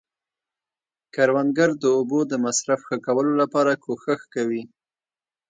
کروندګر د اوبو د مصرف ښه کولو لپاره کوښښ کوي